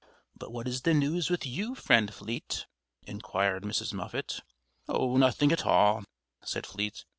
"But what is the news with you, Friend Fleet?" inquired Mrs. Muffet. "Nothing at all," said Fleet.